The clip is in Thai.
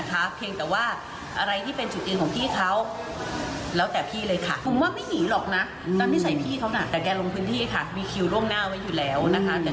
แต่นี่ฉันก็แอบถามอยู่นะว่าเป็นยังไงอะไรยังไง